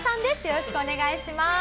よろしくお願いします。